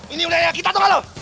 ini udah yang kita dong lo